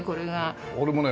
俺もね